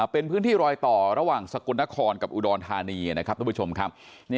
เป็นพื้นที่รอยต่อระหว่างสกลนครกับอุดรธานีนะครับทุกผู้ชมครับ